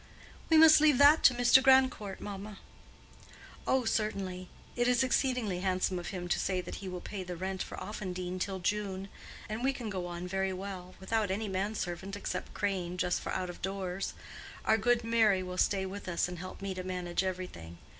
"We must leave that to Mr. Grandcourt, mamma." "Oh, certainly. It is exceedingly handsome of him to say that he will pay the rent for Offendene till June. And we can go on very well—without any man servant except Crane, just for out of doors. Our good Merry will stay with us and help me to manage everything.